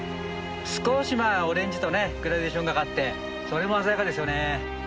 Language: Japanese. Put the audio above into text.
少しオレンジとグラデーションがかってそれも鮮やかですよね。